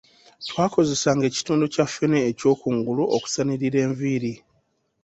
Twakozesanga ekitundu kya ffene ekyokungulu okusanirira enviiri.